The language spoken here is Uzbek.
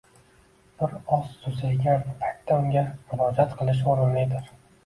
bir oz susaygan paytda unga murojaat qilish o‘rinlidir.